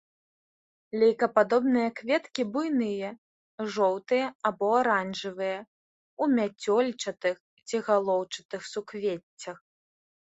Лейкападобныя кветкі буйныя, жоўтыя або аранжавыя ў мяцёлчатых ці галоўчатых суквеццях.